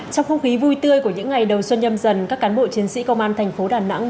trong không khí vui tươi của những ngày đầu xuân nhâm dần các cán bộ chiến sĩ công an thành phố đà nẵng